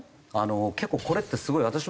結構これってすごい私も過去。